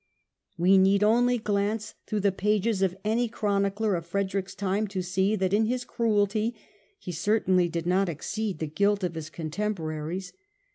We need only glance through the pages of any chroni cler of Frederick's time to see that in his cruelty he certainly did not exceed the guilt of his contemporaries.